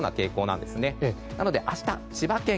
なので明日、千葉県